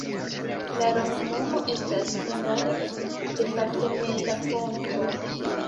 La loknomo estas hungare: departementa-ponto.